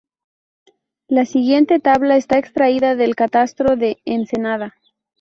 La siguiente tabla está extraída del Catastro de Ensenada.